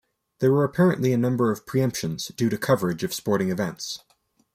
There were apparently a number of preemptions, due to coverage of sporting events.